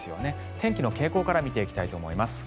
天気の傾向から見ていきたいと思います。